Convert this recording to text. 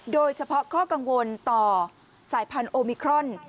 โดยเฉพาะข้อกังวลต่อสายพันธุ์โอมิครอน